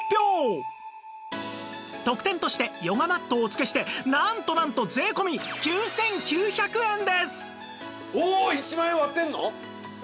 特典としてヨガマットをお付けしてなんとなんと税込９９００円です！